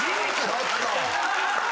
ちょっと！